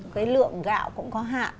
cái lượng gạo cũng có hạn